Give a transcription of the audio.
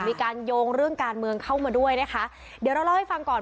มีการโยงเรื่องการเมืองเข้ามาด้วยนะคะเดี๋ยวเราเล่าให้ฟังก่อน